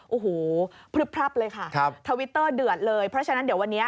โอ้โหพลึบพลับเลยค่ะครับทวิตเตอร์เดือดเลยเพราะฉะนั้นเดี๋ยววันนี้